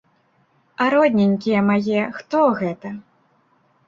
А родненькія мае, хто гэта?